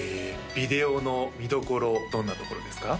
ビデオの見どころどんなところですか？